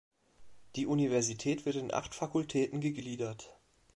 Die Universität wird in acht Fakultäten gegliedert.